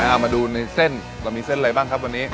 เอามาดูในเส้นเรามีเส้นอะไรบ้างครับวันนี้